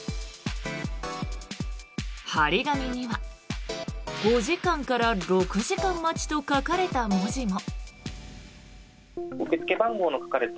貼り紙には５時間から６時間待ちと書かれた文字も。